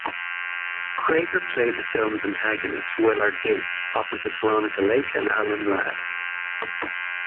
Cregar played the film's antagonist, Willard Gates, opposite Veronica Lake and Alan Ladd.